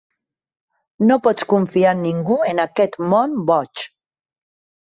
No pots confiar en ningú en aquest món boig.